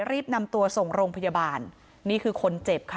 รีบนำตัวส่งโรงพยาบาลนี่คือคนเจ็บค่ะ